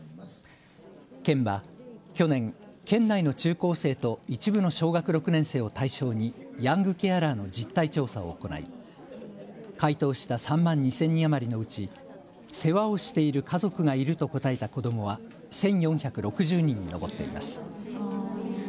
県は去年、県内の中高生と一部の小学６年生を対象にヤングケアラーの実態調査を行い回答した３万２０００人余りのうち世話をしている家族がいると答えた子どもは１４６０人に上っています。